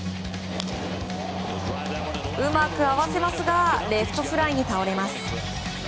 うまく合わせますがレフトフライに倒れます。